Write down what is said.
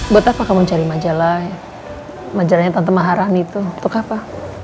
buat apa kamu cari majalah majalahnya tante maharani itu untuk apa